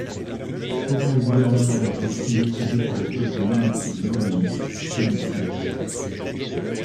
Aucun gouvernement n'était aussi méprisé par les peuples mêmes qui lui obéissent, que celui-ci.